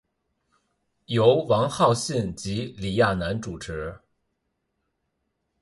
由王浩信及李亚男主持。